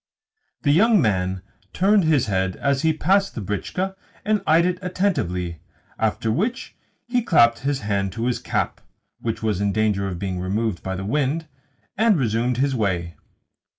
The young man turned his head as he passed the britchka and eyed it attentively; after which he clapped his hand to his cap (which was in danger of being removed by the wind) and resumed his way.